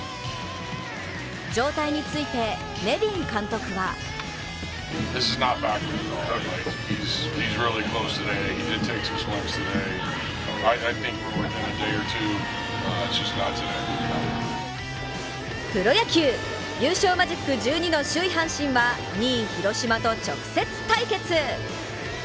状態について、ネビン監督はプロ野球、優勝マジック１２の首位・阪神は２位・広島と直接対決。